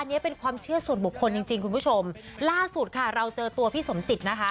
อันนี้เป็นความเชื่อส่วนบุคคลจริงจริงคุณผู้ชมล่าสุดค่ะเราเจอตัวพี่สมจิตนะคะ